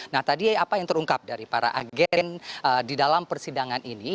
nah tadi apa yang terungkap dari para agen di dalam persidangan ini